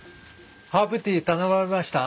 ハーブティー頼まれました？